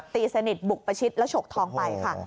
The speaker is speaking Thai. ตีสนิทบุกประชิดแล้วฉกทองไปค่ะ